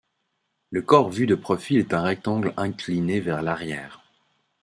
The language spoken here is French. Le corps vu de profil est un rectangle incliné vers l'arrière.